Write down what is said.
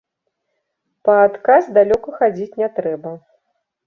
Па адказ далёка хадзіць не трэба.